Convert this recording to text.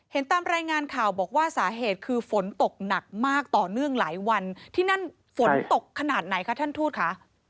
ตามรายงานข่าวบอกว่าสาเหตุคือฝนตกหนักมากต่อเนื่องหลายวันที่นั่นฝนตกขนาดไหนคะท่านทูตคะ